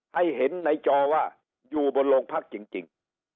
ให้เห็นในจอว่าอยู่บนโรงพักจริง